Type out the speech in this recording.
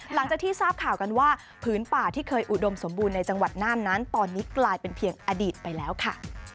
หลังจากที่ทราบข่าวกันว่าผืนป่าที่เคยอุดมสมบูรณ์ในจังหวัดน่านนั้นตอนนี้กลายเป็นเพียงอดีตไปแล้วค่ะ